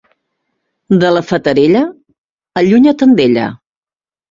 De la Fatarella, allunya-te'n d'ella.